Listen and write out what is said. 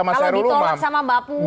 kalau ditolak sama mbak puan